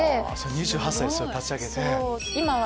２８歳で立ち上げて。